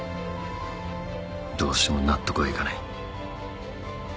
どうしても納得がいかない。